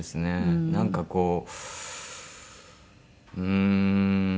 なんかこううーん。